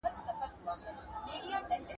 روژه د مؤمن لپاره ډال دی.